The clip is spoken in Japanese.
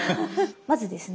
まずですね